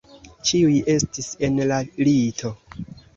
Ĉiuj estis en la lito.